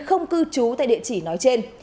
không cư trú tại địa chỉ nói trên